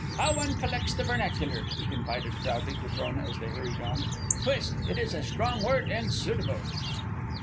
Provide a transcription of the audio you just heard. "How one collects the vernacular," he confided proudly to Frona as they hurried on. "Twist! It is a strong word, and suitable."